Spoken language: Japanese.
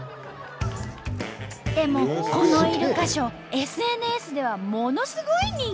でもこのイルカショーＳＮＳではものすごい人気！